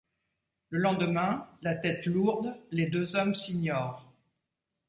Le lendemain, la tête lourde, les deux hommes s’ignorent.